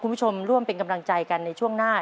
คุณผู้ชมร่วมเป็นกำลังใจกันในช่วงหน้า